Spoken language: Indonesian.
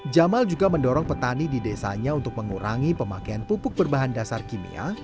jamal juga mendorong petani di desanya untuk mengurangi pemakaian pupuk berbahan dasar kimia